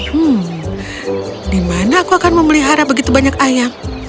hmm di mana aku akan memelihara begitu banyak ayam